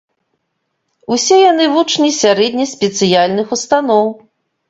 Усе яны вучні сярэдне-спецыяльных устаноў.